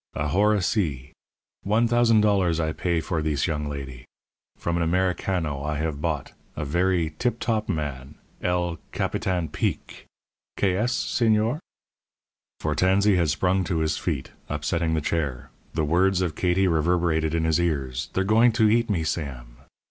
Ahora si! One thousand dollars I pay for thees young ladee. From an Americano I have bought a verree tip top man el Capitan Peek que es, Señor?" For Tansey had sprung to his feet, upsetting the chair. The words of Katie reverberated in his ears: "They're going to eat me, Sam."